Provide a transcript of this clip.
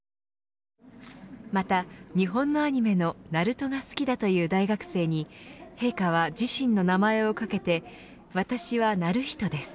また、日本のアニメのＮＡＲＵＴＯ−ナルトが好きだという大学生に陛下は自身の名前をかけて私は徳仁です。